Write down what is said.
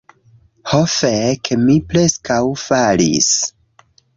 Ho fek' mi preskaŭ falis